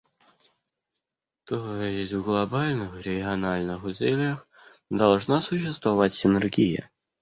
То есть, в глобальных и региональных усилиях должна существовать синергия.